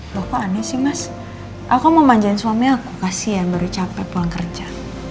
loh kok aneh sih mas aku mau manjain suaminya aku kasihan baru capek pulang kerja